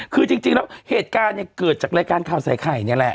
คือจริงแล้วเหตุการณ์เนี่ยเกิดจากรายการข่าวใส่ไข่นี่แหละ